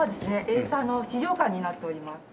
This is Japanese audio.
エイサーの資料館になっております。